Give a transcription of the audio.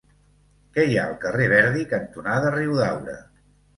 Què hi ha al carrer Verdi cantonada Riudaura?